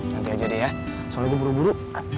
ganti aja deh ya soalnya gue buru buru